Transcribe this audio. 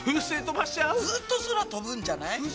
ずっと空飛ぶんじゃない？